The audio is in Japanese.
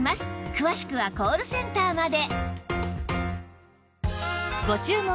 詳しくはコールセンターまで